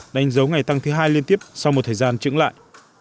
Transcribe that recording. đánh dấu ngày tăng thứ hai liên tiếp sau một thời gian trứng lại